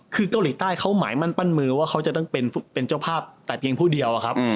คือเกาหลีใต้เขาหมายมั่นปั้นมือว่าเขาจะต้องเป็นเจ้าภาพแต่เพียงผู้เดียวอะครับ